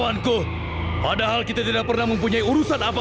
asah itu yang dia minat